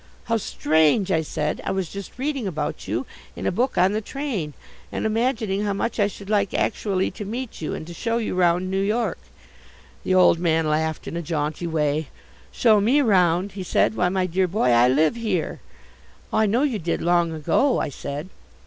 "How strange," I said. "I was just reading about you in a book on the train and imagining how much I should like actually to meet you and to show you round New York." The old man laughed in a jaunty way. "Show me round?" he said. "Why, my dear boy, I live here." "I know you did long ago," I said.